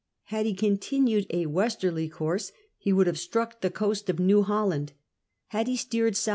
Had he continued a westerly course, he would have struck the coast of New Holland ; had he steered S.W.